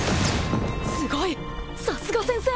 すごいさすが先生！